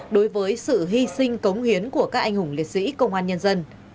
đối với sự hy sinh cống hiến của các anh hùng liệt sĩ công an nhân dân